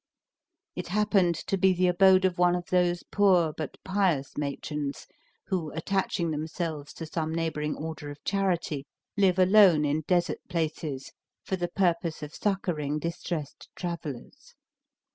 It happened to be the abode of one of those poor, but pious matrons, who, attaching themselves to some neighboring order of charity, live alone in desert places for the purpose of succoring distressed travelers.